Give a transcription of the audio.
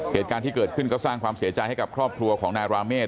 เหตุการณ์ที่เกิดขึ้นก็สร้างความเสียใจให้กับครอบครัวของนายราเมฆ